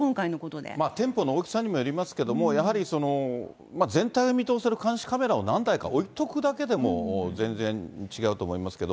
店舗の大きさにもよりますけれども、やはり全体を見通せる監視カメラを何台か置いとくだけでも、全然違うと思いますけど。